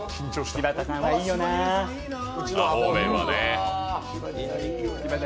柴田さんはいいよなぁ。